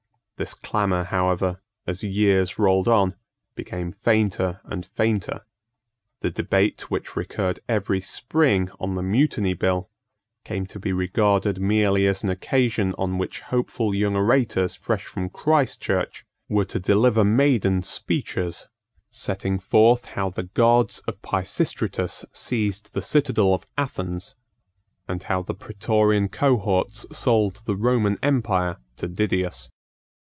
This clamour however, as years rolled on, became fainter and fainter. The debate which recurred every spring on the Mutiny Bill came to be regarded merely as an occasion on which hopeful young orators fresh from Christchurch were to deliver maiden speeches, setting forth how the guards of Pisistratus seized the citadel of Athens, and how the Praetorian cohorts sold the Roman empire to Didius.